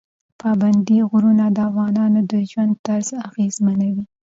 پابندی غرونه د افغانانو د ژوند طرز اغېزمنوي.